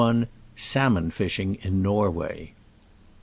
SALMON FISHING IN NORWAY.